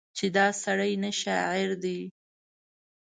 چې دا سړی نه شاعر دی